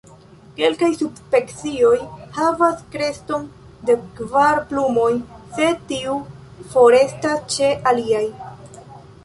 Kelkaj subspecioj havas kreston de kvar plumoj, sed tiu forestas ĉe aliaj.